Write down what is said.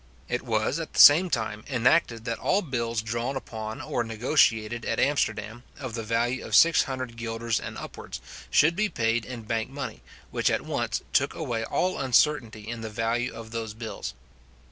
It was at the same time enacted, that all bills drawn upon or negotiated at Amsterdam, of the value of 600 guilders and upwards, should be paid in bank money, which at once took away all uncertainty in the value of those bills.